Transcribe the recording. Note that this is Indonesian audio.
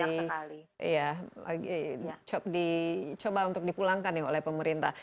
ini masih iya lagi coba untuk dipulangkan oleh pemerintah